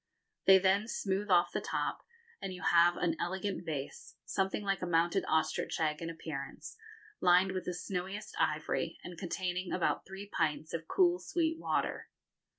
They then smooth off the top, and you have an elegant vase, something like a mounted ostrich egg in appearance, lined with the snowiest ivory, and containing about three pints of cool sweet water.